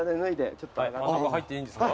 入っていいんですか？